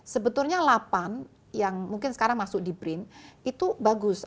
sebetulnya lapan yang mungkin sekarang masuk di brin itu bagus